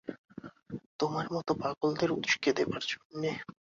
তোমার মতো পাগলদের উসকে দেবার জন্যে।